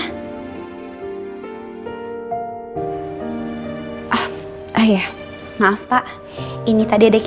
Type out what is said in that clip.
hah kamu makan ga sih